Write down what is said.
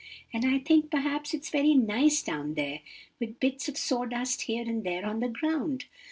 And I think perhaps it's very nice down there with bits of sawdust here and there on the ground.